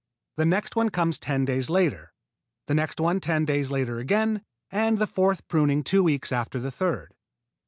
The next one comes ten days later, the next one ten days later again, and the fourth pruning two weeks after the third.